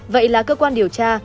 vậy là cơ quan điều tra